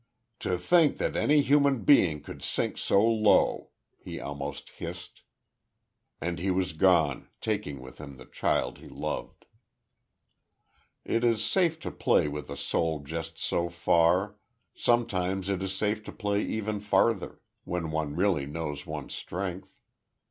"To think that any human thing could sink so low!" he almost hissed.... And he was gone, taking with him the child he loved. It is safe to play with a soul just so far sometimes it is safe to play even farther, when one really knows one's strength....